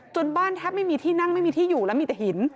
บ้านแทบไม่มีที่นั่งไม่มีที่อยู่แล้วมีแต่หิน